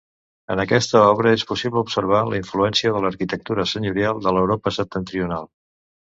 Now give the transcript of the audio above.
En aquesta obra és possible observar la influència de l'arquitectura senyorial de l'Europa septentrional.